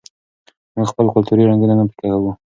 موږ خپل کلتوري رنګونه نه پیکه کوو.